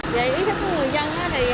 về ý thức của người dân